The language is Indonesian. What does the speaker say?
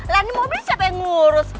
lah ini mobil siapa yang ngurus